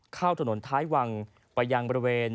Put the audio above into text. เข้าถนนท้ายวังไปยังบริเวณ